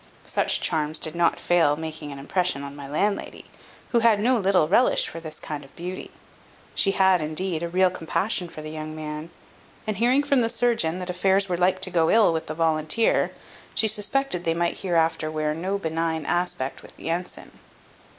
Such charms did not fail making an impression on my landlady, who had no little relish for this kind of beauty. She had, indeed, a real compassion for the young man; and hearing from the surgeon that affairs were like to go ill with the volunteer, she suspected they might hereafter wear no benign aspect with the ensign.